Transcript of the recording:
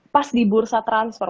pas di bursa transform